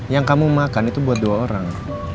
yang kamu makan itu buat dua orang